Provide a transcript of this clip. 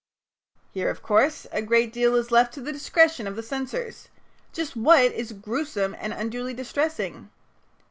Here, of course, a great deal is left to the discretion of the censors. Just what is "gruesome and unduly distressing"?